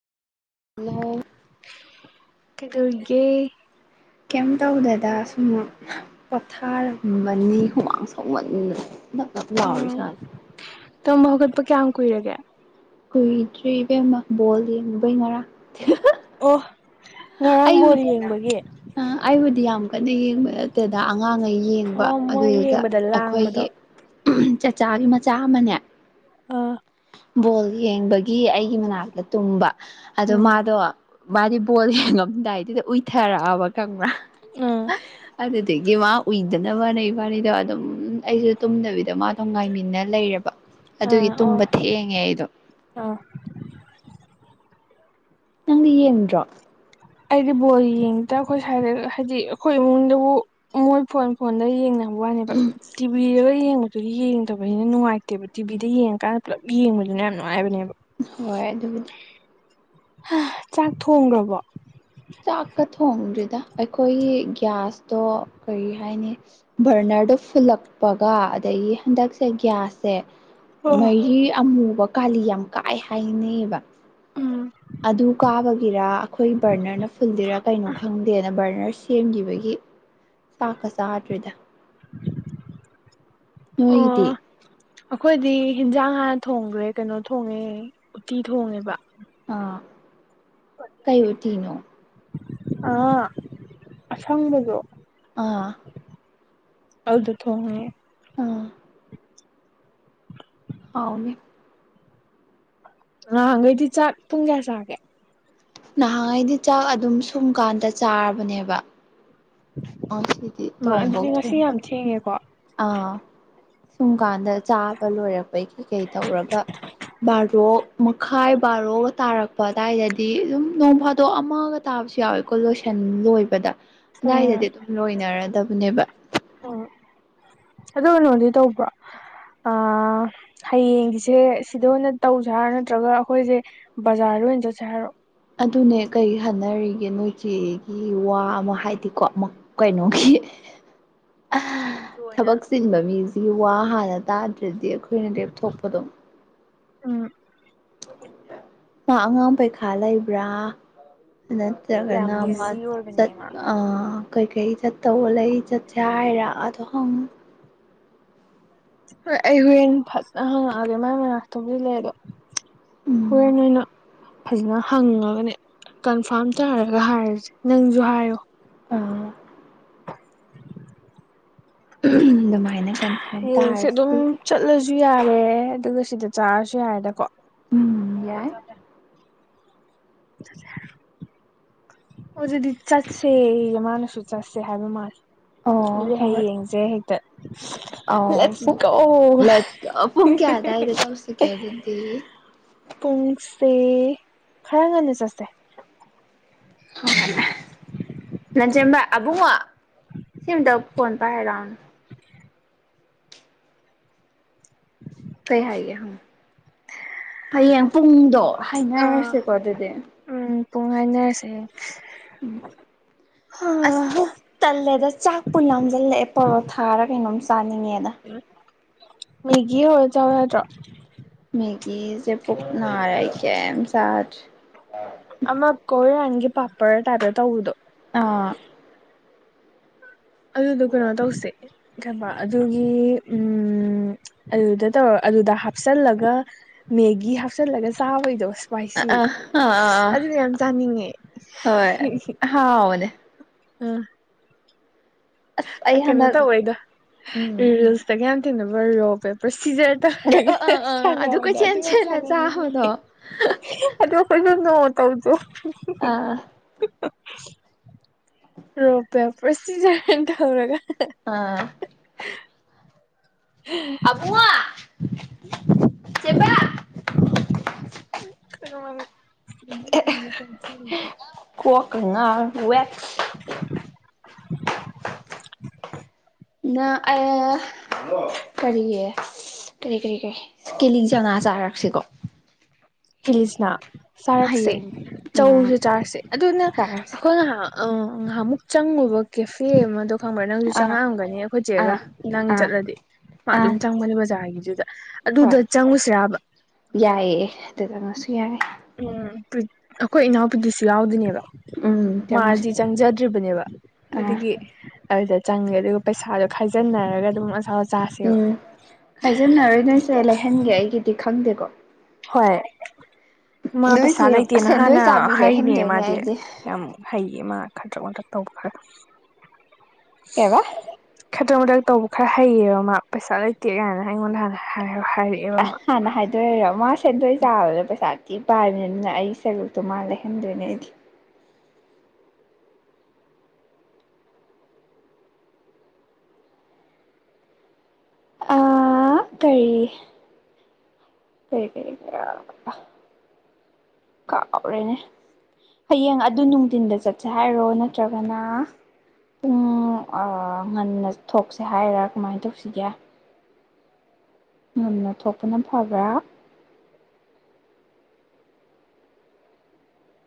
Hello ꯀꯩꯗꯧꯔꯤꯒꯦ? ꯀꯦꯝ ꯇꯧꯗꯦꯗꯥ ꯁꯨꯝ ꯄꯣꯊꯔꯝꯕꯅꯤ ꯍꯨꯃꯥꯡ ꯁꯧꯃꯟꯗꯥꯅ ꯅꯞ - ꯅꯞ ꯂꯥꯎꯔꯦ ꯎꯝ ꯏꯁꯥꯁꯦ ꯇꯨꯝꯕ ꯍꯧꯒꯠꯄ ꯀ ꯌꯥꯝ ꯀꯨꯏꯔꯒꯦ? ꯀꯨꯏꯗ꯭ꯔꯤ ꯏꯕꯦꯝꯃ ꯕꯣꯜ ꯌꯦꯡꯉꯨꯕꯩ ꯉꯔꯥꯡ ꯑꯣ ꯉꯔꯥꯡ ꯕꯣꯜ ꯌꯦꯡꯕꯒꯤ ꯑ ꯑꯩꯕꯨꯗꯤ ꯌꯥꯝ ꯀꯟꯅ ꯌꯦꯡꯕ ꯅꯠꯇꯦꯗ ꯑꯉꯥꯡꯉꯩ ꯌꯦꯡꯕ ꯑꯣ ꯃꯣꯏ ꯑꯗꯨꯗꯨꯗ ꯌꯦꯡꯕꯗ ꯂꯥꯡꯕꯗꯣ ꯆꯠꯆꯥꯒꯤ ꯃꯆꯥ ꯑꯃꯅꯦ ꯑꯥ ꯕꯣꯜ ꯌꯦꯡꯕꯒꯤ ꯑꯩꯒꯤ ꯃꯅꯥꯛꯇ ꯇꯨꯝꯕ ꯑꯗꯣ ꯎꯝ ꯃꯥꯗꯣ ꯃꯥꯗꯤ ꯕꯣꯜ ꯌꯦꯡꯉꯝꯗꯥꯏꯗꯨꯗ ꯎꯏꯊꯔꯛꯑꯕ ꯎꯝ [unintelligible] ꯑꯗꯨꯗꯒꯤ ꯃꯥ ꯎꯏꯗ ꯐꯡꯅꯕꯅꯩ ꯋꯥꯅꯤꯗꯣ ꯑꯗꯨꯝ ꯑꯩꯁꯨ ꯇꯨꯝꯗꯕꯤꯗ ꯃꯥ ꯉꯥꯏꯃꯤꯟꯅ ꯂꯩꯔꯕ ꯑꯗꯨꯒꯤ ꯇꯨꯝꯕ ꯊꯦꯡꯉꯦ ꯑꯩꯗꯣ ꯑ ꯅꯪꯗꯤ ꯌꯦꯡꯗ꯭ꯔꯣ ꯑꯩꯗꯤ ꯕꯣꯜ ꯌꯦꯡꯗ ꯑꯩꯈꯣꯏ ꯁꯥꯏꯗ ꯍꯥꯏꯗꯤ ꯑꯩꯈꯣꯏ ꯏꯃꯨꯡꯗꯕꯨ ꯃꯣꯏ ꯐꯣꯟ ꯐꯣꯟꯗ ꯌꯦꯡꯅꯕ ꯋꯥꯅꯦꯕ꯫ ꯇꯤꯕꯤꯗꯒ ꯌꯦꯡꯕꯗꯨꯗꯤ ꯌꯦꯡꯗꯕꯩꯅ ꯅꯨꯡꯉꯥꯏꯇꯦꯕ ꯇꯤꯕꯤꯗ ꯌꯦꯡꯉꯀꯥꯟꯗ ꯄꯨꯂꯞ ꯌꯦꯡꯕꯗꯨꯅꯦ ꯌꯥꯝ ꯅꯨꯡꯉꯥꯏꯕꯅꯦꯕ꯫ ꯍꯣꯏ ꯑꯗꯨꯕꯨꯗꯤ ꯆꯥꯛ ꯊꯣꯡꯈ꯭ꯔꯕꯣ ꯆꯥꯛꯀ ꯊꯣꯡꯗ꯭ꯔꯤꯗ ꯑꯩꯈꯣꯏꯒꯤ ꯒ꯭ꯌꯥꯁꯇꯣ ꯀꯔꯤ ꯍꯥꯏꯅꯤ ꯕꯔꯅꯔꯗꯣ ꯐꯨꯜꯂꯛꯄꯒ ꯑꯗꯒꯤ ꯍꯟꯗꯛꯁꯦ ꯒ꯭ꯌꯥꯁꯁꯦ ꯑꯣ ꯃꯍꯤ ꯑꯃꯨꯕ ꯀꯥꯂꯤ ꯌꯥꯝ ꯀꯥꯏ ꯍꯥꯏꯅꯩꯕ ꯎꯝ ꯑꯗꯨ ꯀꯥꯕꯒꯤꯔ ꯑꯩꯈꯣꯏ ꯕꯔꯅꯔꯅ ꯐꯨꯜꯜꯂꯤꯔꯥ ꯀꯩꯅꯣ ꯈꯪꯗꯦꯗ ꯕꯔꯅꯔ ꯁꯦꯝꯈꯤꯕꯒꯤ ꯇꯥꯛꯀ ꯆꯥꯗ꯭ꯔꯤꯗ [unintelligible] ꯅꯣꯏꯒꯤꯗꯤ ꯑꯣ ꯑꯩꯈꯣꯏꯗꯤ ꯍꯦꯟꯖꯥꯡ ꯍꯥꯥꯟꯅ ꯊꯣꯡꯈ꯭ꯔꯦ ꯀꯩꯅꯣ ꯊꯣꯡꯉꯦ ꯎꯇꯤ ꯊꯣꯡꯉꯦꯕ ꯑꯥ ꯀꯩ ꯎꯇꯤꯅꯣ? ꯑꯥ ꯑꯁꯪꯕꯗꯣ ꯑꯥ ꯑꯧꯗꯨ ꯊꯣꯡꯉꯦ ꯑ ꯍꯥꯎꯅꯤ ꯅꯥꯍꯟ ꯈꯩꯗꯤ ꯆꯥꯛ ꯄꯨꯡ ꯀꯌꯥ ꯆꯥꯒꯦ ꯅꯍꯥꯟꯉꯩꯗꯤ ꯆꯥꯛ ꯑꯗꯨꯝ ꯁꯨꯝꯀꯥꯟꯗ ꯆꯥꯔꯕꯅꯦꯕ ꯉꯁꯤꯗꯤ ꯃꯥ ꯊꯣꯡꯐꯧ ꯑꯗꯨꯗꯤ ꯉꯁꯤ ꯊꯣꯡꯗ꯭ꯔꯤ ꯌꯥꯝ ꯊꯦꯡꯉꯦꯀꯣ ꯑꯥ ꯁꯨꯝ ꯀꯥꯟꯗ ꯆꯥꯕ ꯂꯣꯏꯔꯛꯄꯩ ꯀꯩ ꯀꯩ ꯇꯧꯔꯒ ꯕꯥꯔꯣ ꯃꯈꯥꯏ ꯕꯥꯔꯣꯒ ꯇꯥꯔꯛꯄ ꯑꯗꯥꯏꯗꯗꯤ ꯑꯗꯨꯝ ꯅꯣꯡ ꯐꯥꯗꯣꯛ ꯑꯃꯒ ꯇꯥꯕꯁꯨ ꯌꯥꯎꯋꯦꯀꯣ ꯂꯣꯏꯁꯟ ꯂꯣꯏꯕꯗ ꯑꯗꯨꯋꯥꯏꯗꯗꯤ ꯑꯗꯨꯝ ꯂꯣꯏꯅꯔꯗꯕꯅꯦꯕ ꯑꯣ ꯑꯗꯨ ꯀꯩꯅꯣꯗꯤ ꯇꯧꯕ꯭ꯔꯣ ꯑ ꯍꯌꯦꯡꯒꯤꯁꯦ ꯁꯤꯗ ꯑꯣꯏꯅ ꯇꯧꯁꯦ ꯍꯥꯏꯔꯣ ꯅꯠꯇ꯭ꯔꯒ ꯑꯩꯈꯣꯏꯁꯦ ꯕꯖꯥꯔꯗ ꯑꯣꯏꯅ ꯆꯠꯁꯦ ꯍꯥꯏꯔꯣ ꯑꯗꯨꯅꯦ ꯀꯔꯤ ꯍꯥꯏꯅꯔꯤꯒꯦ ꯅꯣꯏꯆꯦꯒꯤ ꯋꯥ ꯑꯃ ꯍꯥꯏꯗꯤꯀꯣ ꯑꯃ ꯀꯩꯅꯣꯒꯤ [inaudible] ꯖꯨ ꯑꯣꯏꯅ ꯊꯕꯛ ꯆꯤꯟꯕ ꯃꯤꯁꯤ ꯋꯥ ꯍꯥꯟꯅ ꯇꯥꯗ꯭ꯔꯗꯤ ꯑꯩꯈꯣꯏꯅ ꯂꯦꯞꯊꯣꯛꯄꯗꯣ ꯎꯝ ꯃꯥ ꯑꯉꯥꯡ ꯄꯩꯈꯥ ꯂꯩꯕ꯭ꯔꯥ ꯅ ꯆꯠ ꯀꯅ ꯌꯥꯝ ꯑꯃ ꯕꯤꯖꯤ ꯆꯠ ꯑꯣꯏꯕꯅꯦ ꯃꯥ ꯀꯩꯀꯩ ꯆꯠꯇꯧ ꯂꯩ ꯆꯠꯁꯦ ꯍꯥꯏꯔ ꯑꯗꯣ ꯍꯪꯑꯣ ꯍꯣꯏ ꯑꯩ ꯍꯣꯔꯦꯟ ꯐꯖꯅ ꯍꯪꯉꯛꯑꯒꯦ ꯃꯥꯏ ꯃꯅꯥꯛꯇꯥꯕꯨꯗꯤ ꯂꯩꯌꯦꯕꯥ ꯎꯝ ꯍꯣꯔꯦꯟ ꯑꯣꯏꯅ ꯐꯖꯅ ꯍꯪꯉꯒꯅꯦ ꯀꯟꯐꯥꯔꯝ ꯇꯥꯔꯒ ꯍꯥꯏꯔꯁꯦ ꯅꯪꯁꯨ ꯍꯥꯏꯌꯣ ꯑꯥ [inaudible] ꯑꯗꯨꯃꯥꯏꯅ ꯀꯟꯐꯥꯔꯝ ꯇꯥꯔꯁꯤ ꯑꯗꯥꯁꯨ ꯌꯥꯔꯦ ꯑꯗꯨꯒ ꯁꯤꯗ ꯆꯥꯔꯁꯨ ꯌꯥꯔꯦꯗꯀꯣ ꯎꯝ ꯌꯥꯏ ꯆꯠꯁꯦ ꯍꯥꯏꯔꯣ ꯑꯗꯨꯗꯤ ꯆꯠꯁꯦ ꯃꯥꯅꯁꯨ ꯆꯠꯁꯦ ꯍꯥꯏꯕ ꯃꯥꯜꯂꯦ ꯑꯣ ꯑꯗꯨꯗꯤ ꯍꯣꯏ ꯍꯣꯏ ꯍꯥꯌꯦꯡꯁꯦ ꯍꯦꯛꯇ ꯂꯦꯠꯁ ꯒꯣ ꯄꯨꯡ ꯀꯌꯥ ꯑꯗ꯭ꯋꯥꯏꯗ ꯆꯠꯂꯨꯁꯤꯒꯦ ꯑꯗꯨꯗꯤ ꯄꯨꯡꯁꯦ ꯈꯔ ꯉꯟꯅ ꯆꯠꯁꯦ ꯂꯟꯆꯦꯟꯕ ꯑꯕꯨꯡꯉꯣ ꯁꯤꯑꯃꯇ ꯐꯣꯟ ꯄꯥꯏꯔꯣꯂꯥꯛꯑꯣꯅꯦ ꯎꯝ ꯀꯩ ꯍꯥꯏꯒꯦ ꯍꯌꯦꯡ ꯄꯨꯡꯗꯣ ꯑꯥ ꯍꯥꯏꯅꯔꯁꯤꯀꯣ ꯑꯗꯨꯗꯤ ꯎꯝ ꯄꯨꯡ ꯍꯥꯏꯅꯔꯁꯦ ꯎꯝ ꯑꯁ ꯇꯜꯂꯦꯗ ꯆꯥꯛꯄꯨ ꯂꯥꯝꯁꯤꯜꯂꯛꯑꯦ ꯄꯣꯔꯣꯊꯥꯔ ꯀꯩꯅꯣꯝ ꯆꯥꯅꯤꯡꯉꯦꯗ ꯃꯦꯒꯤ ꯍꯧꯔꯒ ꯆꯥꯎ ꯌꯥꯗ꯭ꯔꯣ ꯃꯦꯒꯤꯁꯦ ꯄꯨꯨꯛꯅꯥꯔꯦ ꯑꯩ ꯀꯩꯝ ꯆꯗ꯭ꯔꯦ ꯑꯃ ꯀꯣꯏꯔꯤꯌꯟꯒꯤ ꯄꯥꯄꯔ ꯇ꯭ꯥꯢꯞꯇ ꯇꯧꯕꯗꯣ ꯑꯥ ꯑꯗꯨꯗꯣ ꯀꯩꯅꯣ ꯇꯧꯁꯦ ꯀꯩꯕꯥ ꯑꯗꯨꯒꯤ ꯎꯝ ꯑꯗꯨꯗ ꯇꯧꯔ ꯑꯗꯨꯗ ꯍꯥꯞꯆꯜꯂꯒ ꯃꯦꯒꯤ ꯍꯥꯞꯆꯜꯂꯒ ꯆꯥꯕꯩꯗꯣ ꯋꯥ꯭ꯏꯁꯤ ꯑꯥ ꯑꯥ ꯑꯥ ꯑꯗꯨꯗꯨ ꯌꯥꯝ ꯆꯥꯅꯤꯡꯉꯦ ꯍꯣꯏ ꯍꯥꯎꯕꯅꯦ ꯎꯝ ꯑꯁ ꯑꯩ ꯀꯩꯅꯣ ꯍꯟꯗꯛ ꯇꯧꯕꯩꯗ ꯎꯝ ꯔꯤꯜꯁꯇꯒꯌꯥꯝ ꯊꯦꯡꯅꯕ ꯔꯣꯛ ꯄꯦꯄꯔ ꯁꯤꯖꯔ ꯑꯥ ꯇꯧꯔꯒ ꯑꯥ ꯑꯥ ꯁꯥꯟꯅꯕꯗꯣ ꯑꯗꯨ ꯀꯣꯏꯆꯦꯟ ꯌꯥꯝ ꯆꯦꯜꯂ ꯁꯥꯟꯅꯅꯤꯡꯉꯤ ꯆꯥꯕꯗꯣ ꯑꯗꯣ ꯈꯣꯏꯁꯨ ꯅꯣꯡꯃ ꯇꯧꯁꯦ ꯑꯥ ꯑꯥ ꯔꯣꯛ ꯄꯦꯄꯔ ꯁꯤꯖꯔꯅ ꯇꯧꯔꯒ ꯑꯥ ꯑꯕꯨꯡꯉꯣ ꯆꯦꯕꯥ [inaudible] ꯀꯣꯛꯀ ꯉꯥꯎꯏ ꯋꯦꯠ [inaudible] ꯅ ꯑꯌꯣ ꯀꯔꯤ ꯀꯔꯤ ꯀꯔꯤ ꯀꯔꯤ ꯀꯤꯂꯤ ꯆꯥꯅꯥ ꯆꯥꯔꯛꯁꯤꯀꯣ ꯀꯤꯂꯤꯆꯥꯅ ꯆꯥꯔꯛꯁꯦ ꯍꯌꯦꯡ ꯎꯝ ꯆꯧꯖꯨ ꯆꯥꯔꯛꯁꯦ ꯑꯗꯨꯅ ꯆꯥꯔꯁꯦ ꯑꯩꯈꯣꯏ ꯉꯥꯏꯍꯥꯛ ꯑ ꯉꯍꯥꯃꯨꯛ ꯆꯪꯉꯨꯕ ꯀꯦꯐꯦ ꯑꯃꯗꯣ ꯈꯪꯕ꯭ꯔꯥ ꯅꯪꯖꯨ ꯑꯥ ꯆꯪꯉꯛꯑꯝꯒꯅꯤ ꯑꯩꯈꯣꯏ ꯆꯦꯒ ꯑꯥ ꯅꯪ ꯑꯥ ꯆꯠꯂꯗꯤ ꯃꯥ ꯑꯥ ꯑꯗꯨꯝ ꯆꯪꯕꯅꯤ ꯕꯖꯥꯔꯒꯤꯗꯨꯗ ꯑꯗꯨꯗ ꯍꯣꯏ ꯆꯪꯉꯨꯁꯤꯔꯕ ꯌꯥꯏꯌꯦ ꯑꯗꯨ ꯆꯪꯉꯁꯨ ꯌꯥꯏ ꯎꯝ ꯄ꯭ꯔꯤ ꯑꯩꯈꯣꯏ ꯏꯅꯥꯎꯄꯨꯗꯤꯁꯨ ꯌꯥꯎꯗꯣꯏꯅꯦꯕ ꯎꯝ ꯆꯪꯉꯣ ꯃꯥꯗꯤ ꯆꯪꯖꯗ꯭ꯔꯤꯕꯅꯦꯕ ꯑꯥ ꯑꯗꯨꯒꯤ ꯑꯗꯨꯗ ꯆꯪꯉꯦ ꯑꯗꯨꯒ ꯄꯩꯁꯥꯗꯣ ꯈꯥꯏꯖꯟꯅꯔꯒ ꯑꯗꯨꯝ ꯆꯥꯁꯦꯕ ꯎꯝ ꯍꯥꯏꯖꯤꯟꯅꯔꯣꯏ ꯅꯣꯏꯁꯦ ꯂꯩꯍꯟꯒꯦ ꯑꯩꯒꯤꯗꯤ ꯈꯪꯗꯦꯀꯣ ꯍꯣꯏ ꯃꯥ ꯅꯣꯏꯁꯦ ꯄꯩꯁꯥ ꯂꯩꯇꯦꯅ ꯁꯦꯟꯗꯣꯏ ꯍꯥꯟꯅ ꯆꯥꯕꯤ ꯍꯥꯏꯔꯤꯅꯦ ꯂꯩꯍꯟꯗꯣꯏꯅꯦ ꯃꯥꯗꯤ ꯑꯩꯗꯤ ꯌꯥꯝ ꯍꯩꯌꯦ ꯃꯥ ꯈꯗ꯭ꯔꯛ ꯃꯗ꯭ꯔꯛ ꯇꯧꯕ ꯈ꯭ꯔꯥ ꯀꯩ ꯑꯕꯥ ꯈꯗ꯭ꯔꯛ ꯃꯗ꯭ꯔꯛ ꯇꯧꯕ ꯈꯔ ꯍꯩꯌꯦꯕ ꯃꯥ ꯄꯩꯁꯥ ꯂꯩꯇꯦ ꯒꯥꯏꯅ ꯑꯩꯉꯣꯟꯗ ꯍꯥꯟꯅ ꯍꯥꯏꯔ ꯍꯥꯏꯔꯛꯑꯦ ꯑꯁ ꯍꯥꯟꯅ ꯍꯥꯏꯗꯣꯔꯛꯢꯔꯣ ꯃꯥ ꯁꯦꯟꯗꯣꯏ ꯆꯥꯕꯗꯣ ꯄꯩꯁꯥ ꯊꯤ ꯄꯥꯏꯕꯅ ꯑꯩꯒꯤ ꯁꯔꯨꯛꯇꯣ ꯃꯥ ꯂꯩꯍꯟꯗꯣꯏꯅꯦ ꯑꯩꯗꯤ ꯑ ꯀꯔꯤ ꯀꯔꯤ ꯀꯔꯤ ꯀꯥꯎꯔꯦꯅꯦ ꯍꯥꯌꯦꯡ ꯑꯗꯨ ꯅꯨꯡꯊꯤꯟꯗ ꯆꯠꯁꯦ ꯍꯥꯏꯔꯣ ꯅꯠꯇ꯭ꯔꯒꯅ ꯄꯨꯡ ꯑ ꯉꯟꯅ ꯊꯣꯛꯁꯦ ꯍꯥꯏꯔꯣ ꯀꯃꯥꯏ ꯇꯧꯁꯤꯒꯦ ꯉꯟꯅꯥ ꯊꯣꯛꯄꯅ ꯐꯕ꯭ꯔꯥ